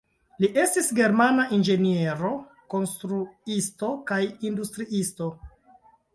Li estis germana inĝeniero, konstruisto kaj industriisto.